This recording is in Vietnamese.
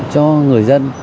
cho người dân